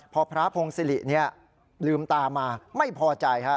พอพระพงศิริลืมตามาไม่พอใจ